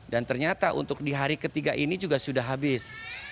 dan ternyata untuk di hari ketiga ini juga sudah habis